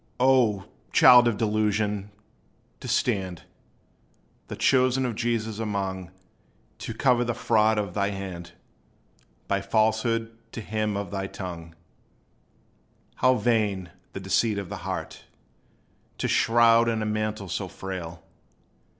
O child of delusion! to stand The chosen of Jesus among, To cover the fraud of thy hand, By falsehood to him on thy tongue! How vain, the deceit of the heart To shroud in a mantle so frail!